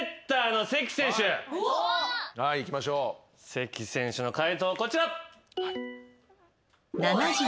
関選手の解答こちら。